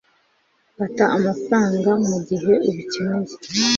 fata amafaranga mugihe ubikeneye